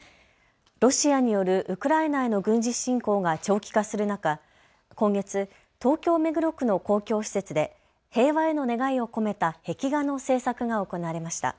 ロシアによるウクライナへの軍事侵攻が長期化する中、今月、東京目黒区の公共施設で平和への願いを込めた壁画の制作が行われました。